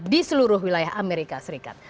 di seluruh wilayah amerika serikat